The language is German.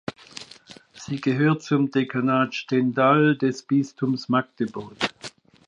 Sie gehört zum Dekanat Stendal des Bistums Magdeburg.